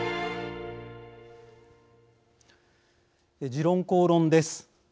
「時論公論」です。